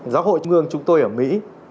giáo hội chung gương chúng tôi ở mỹ